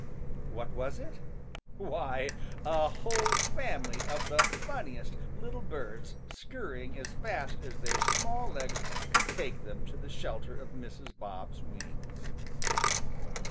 What was it? Why, a whole family of the funniest little birds scurrying as fast as their small legs could take them to the shelter of Mrs. Bob's wings!